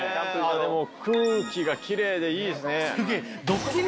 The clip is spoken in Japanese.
でも空気がキレイでいいですね。